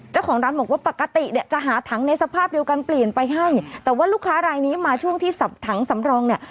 เจ้าของร้านบอกว่าปกติเนี่ยจะหาถังในสภาพเดียวกันเปลี่ยนไปให้แต่ว่าลูกค้ารายนี้มาช่วงที่สับถังสำรองเนี่ย